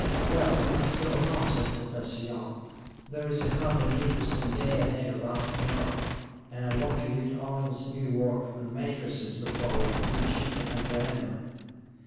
"Well, we must go home," said Professor Young. "There's a hard and interesting day ahead of us to morrow, and I want to read Orling's new work on matrices before we begin chipping at the amber."